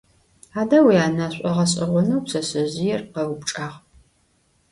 Ade vuyana? – ş'oğeş'eğoneu pşseşsezjıêr kheupçç'ağ.